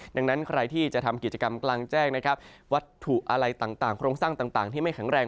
ดังนั้นใครที่จะทำกิจกรรมกลางแจ้งนะครับวัตถุอะไรต่างโครงสร้างต่างที่ไม่แข็งแรง